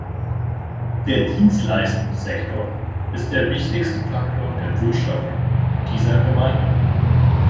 Der Dienstleistungssektor ist der wichtigste Faktor der Wirtschaft dieser Gemeinde.